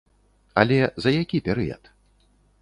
Але за які перыяд?